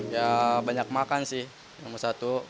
ya banyak makan sih nomor satu